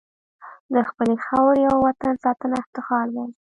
د خپلې خاورې او وطن ساتنه افتخار دی.